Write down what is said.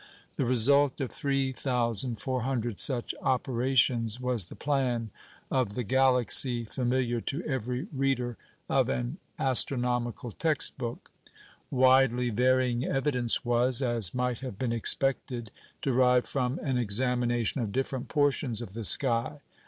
The result of 3,400 such operations was the plan of the Galaxy familiar to every reader of an astronomical text book. Widely varying evidence was, as might have been expected, derived from an examination of different portions of the sky.